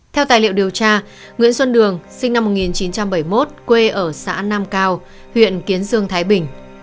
theo tài liệu điều tra nguyễn xuân đường sinh năm một nghìn chín trăm bảy mươi một quê ở xã nam cao huyện kiến sương thái bình